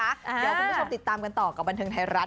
เดี๋ยวคุณผู้ชมติดตามกันต่อกับบันเทิงไทยรัฐ